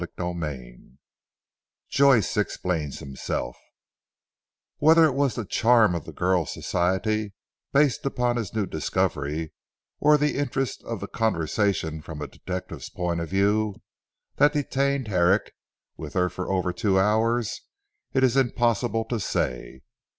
CHAPTER XV ROBIN JOYCE EXPLAINS HIMSELF Whether it was the charm of the girl's society based upon his new discovery, or the interest of the conversation from a detective's point of view, that detained Herrick with her for over two hours, it is impossible to say.